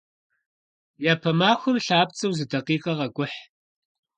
Япэ махуэм лъапцӀэу зы дакъикъэ къэкӀухь.